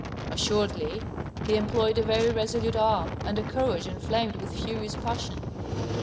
Assuredly, he employed a very resolute arm and a courage enflamed with furious passion.